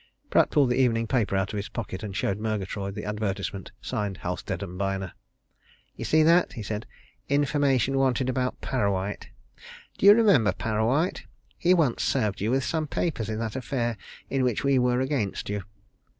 Pratt pulled the evening paper out of his pocket and showed Murgatroyd the advertisement signed Halstead & Byner. "You see that?" he said. "Information wanted about Parrawhite. Do you remember Parrawhite? He once served you with some papers in that affair in which we were against you."